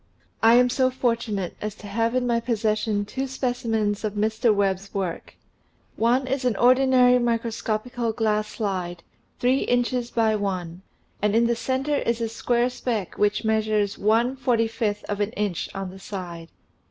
I am so fortunate as to have in my possession two specimen's of Mr. Webb's work. One is an ordinary microscopical glass slide, three inches by one, and in the center is a square speck which MICROGRAPHY AND MICROPHOTOGRAPHY 143 measures 1 4 5th, of an inch on the side.